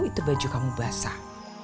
itu baju kamu basah